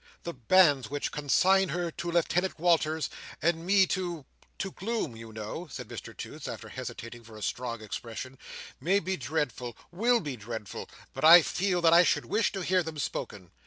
The banns which consign her to Lieutenant Walters, and me to—to Gloom, you know," said Mr Toots, after hesitating for a strong expression, "may be dreadful, will be dreadful; but I feel that I should wish to hear them spoken.